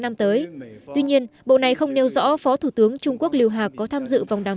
năm tới tuy nhiên bộ này không nêu rõ phó thủ tướng trung quốc liêu hạc có tham dự vòng đàm